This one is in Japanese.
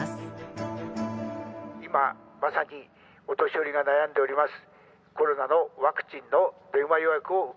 「今まさにお年寄りが悩んでおります